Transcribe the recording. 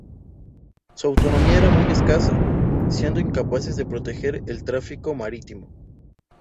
Su autonomía era muy escasa, siendo incapaces de proteger el tráfico marítimo.